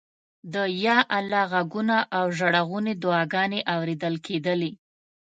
د یا الله غږونه او ژړغونې دعاګانې اورېدل کېدلې.